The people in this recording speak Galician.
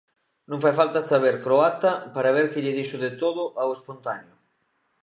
Non fai falta saber croata para ver que lle dixo de todo ao espontáneo.